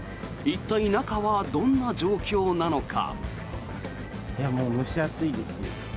一体、中はどんな状況なのか。